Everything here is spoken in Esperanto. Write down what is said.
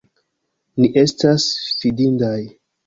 Ni estas fidindaj!